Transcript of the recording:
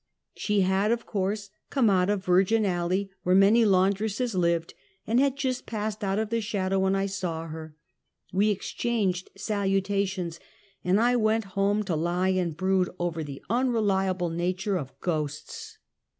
She had, of course, come out of Virgin alley, where many laundresses lived, and had just passed out of the shadow when I saw her. "We exchanged salutations, and I went home to lie and brood over the unreliable nature of ghosts.